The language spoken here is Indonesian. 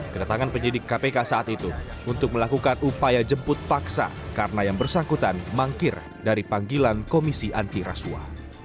kedatangan penyidik kpk saat itu untuk melakukan upaya jemput paksa karena yang bersangkutan mangkir dari panggilan komisi anti rasuah